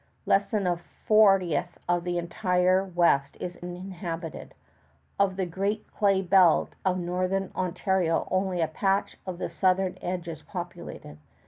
Less than a fortieth of the entire West is inhabited. Of the Great Clay Belt of North Ontario only a patch on the southern edge is populated.